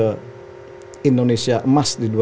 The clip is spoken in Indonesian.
jadi kita bersyukur indonesia mudah mudahan untuk menuju ke nikel